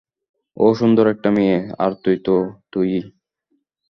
ও সুন্দর একটা মেয়ে, আর তুই তো তুইই।